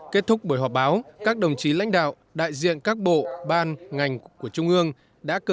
kết thúc buổi họp báo các đồng chí lãnh đạo đại diện các bộ ban ngành của trung ương đã cơ